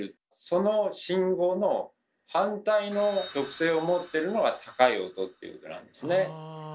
その信号の反対の特性を持ってるのが高い音っていうことなんですね。